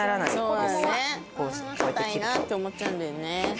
硬いなって思っちゃうんだよね。